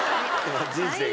人生が？